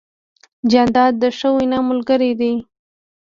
جانداد د ښه وینا ملګری دی.